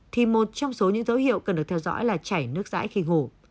thì một trong số những dấu hiệu cần được theo dõi là chảy nước rãi khi ngủ